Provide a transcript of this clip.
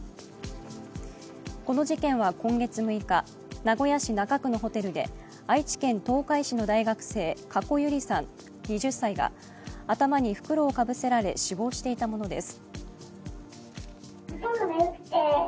この事件は今月６日、名古屋市中区のホテルで愛知県東海市の大学生加古結莉さん２０歳が頭に袋をかぶせられ死亡していたものです。